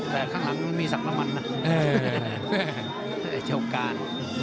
แต่ข้างหลังมันมีสักน้ำมันนะไอ้เจ้าการ